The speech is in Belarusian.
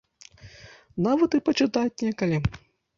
Нават і пачытаць некалі.